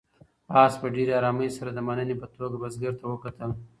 آس په ډېرې آرامۍ سره د مننې په توګه بزګر ته وکتل.